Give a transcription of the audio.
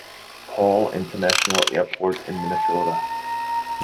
Paul International Airport in Minnesota.